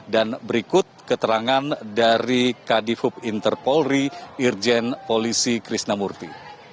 dan berikut keterangan dari kadifub interpolri irjen polisi krisnamurti